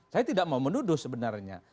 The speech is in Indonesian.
saya tidak mau menuduh sebenarnya